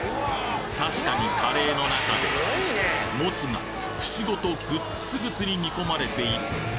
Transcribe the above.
確かにカレーの中でもつが串ごとグッツグツに煮込まれている！